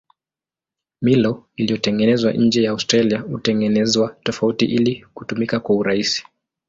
Milo iliyotengenezwa nje ya Australia hutengenezwa tofauti ili kutumika kwa urahisi.